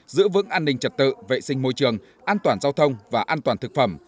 giữ vững an ninh trật tự vệ sinh môi trường an toàn giao thông và an toàn thực phẩm